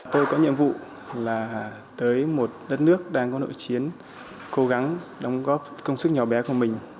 tôi có nhiệm vụ là tới một đất nước đang có nội chiến cố gắng đóng góp công sức nhỏ bé của mình